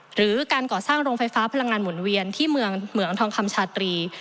หรือการก่อสร้างโรงไฟฟ้าพลังงานหมุนเวียนที่เมืองเหมืองทองคำชาตรี